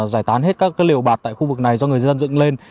giải tán hết các liều bạt tại khu vực này do người dân dựng lên